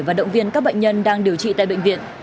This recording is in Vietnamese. và động viên các bệnh nhân đang điều trị tại bệnh viện